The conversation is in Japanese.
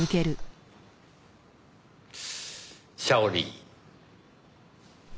シャオリー。